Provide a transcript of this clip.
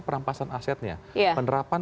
perampasan asetnya penerapan